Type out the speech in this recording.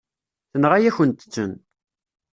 Tenɣa-yakent-ten.